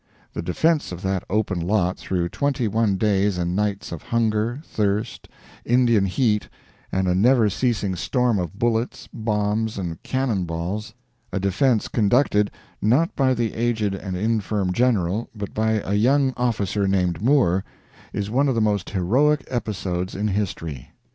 The defense of that open lot through twenty one days and nights of hunger, thirst, Indian heat, and a never ceasing storm of bullets, bombs, and cannon balls a defense conducted, not by the aged and infirm general, but by a young officer named Moore is one of the most heroic episodes in history.